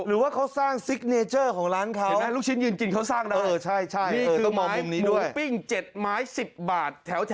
แล้วเขาสร้างซิกเนเจอร์ของร้านเขา